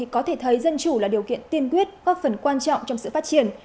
có thể thấy dân chủ là điều kiện tiên quyết góp phần quan trọng trong sự phát triển